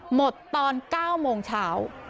หมดตอน๙โมงเช้า